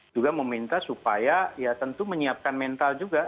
juga meminta supaya ya tentu menyiapkan mental juga